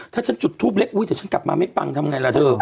ถ้าฉันจุดทูปเล็กอุ๊ยเดี๋ยวฉันกลับมาไม่ปังทำไงล่ะเธอ